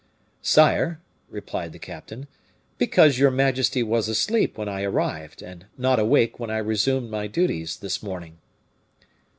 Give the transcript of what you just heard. "Sire," replied the captain, "because your majesty was asleep when I arrived, and not awake when I resumed my duties this morning."